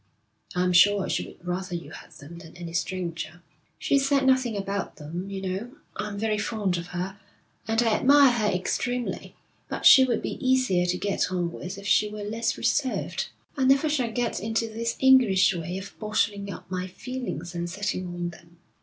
'I'm sure she would rather you had them than any stranger.' 'She's said nothing about them. You know, I'm very fond of her, and I admire her extremely, but she would be easier to get on with if she were less reserved. I never shall get into this English way of bottling up my feelings and sitting on them.'